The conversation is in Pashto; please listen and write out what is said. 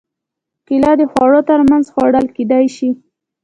کېله د خوړو تر منځ خوړل کېدای شي.